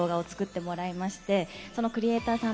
そのクリエーターさん